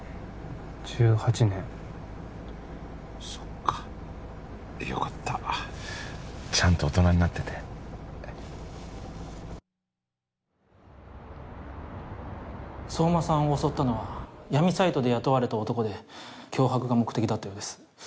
１８年そっかよかったちゃんと大人になってて相馬さんを襲ったのは闇サイトで雇われた男で脅迫が目的だったようです